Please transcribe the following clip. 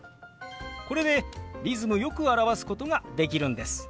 これでリズムよく表すことができるんです。